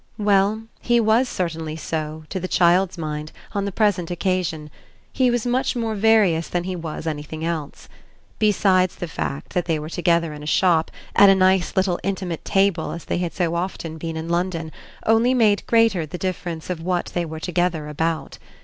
Well, he was certainly so, to the child's mind, on the present occasion: he was much more various than he was anything else. Besides, the fact that they were together in a shop, at a nice little intimate table as they had so often been in London, only made greater the difference of what they were together about.